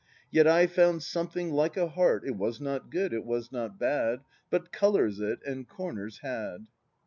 "Yet I found something like a heart, It was not good, it was not bad, But colours it, and comers, had."